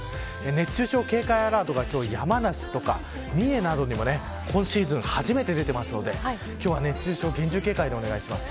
熱中症警戒アラートが山梨や三重などにも今シーズン初めて出ているので今日は熱中症に厳重警戒でお願いします。